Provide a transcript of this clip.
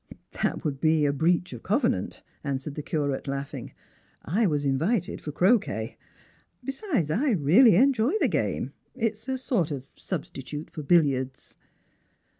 V^' *' That would be a breach of covenant," answered the Curate, jaughing, " I was invited for croquet. Besides, I really enjoy the game ; it's a sort of substitute for billiards."